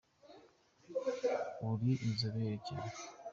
uri inzobe cyane!